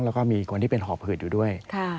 แล้วก็มีคนที่เป็นหอบหืดอยู่ด้วย